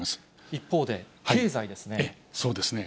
一方で、経済ですね。